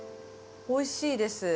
おいしいです。